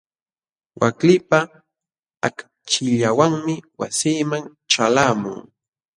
Waklipa akchillanwanmi wasiiman ćhalqamuu.